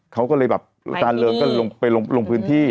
เขาก็เลยแบบอาจารย์เริงก็ลงไปลงพื้นที่